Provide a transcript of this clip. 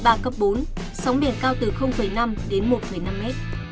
gió nam cấp bốn sóng biển cao từ năm đến một năm m